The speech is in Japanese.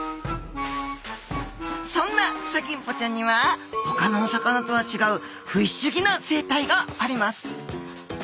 そんなフサギンポちゃんにはほかのお魚とは違うフィッシュギな生態があります